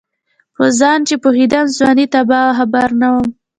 په ځان چې پوهېدم ځواني تباه وه خبر نه وم